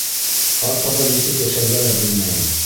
Артабан нисек йәшәргә лә белмәйем...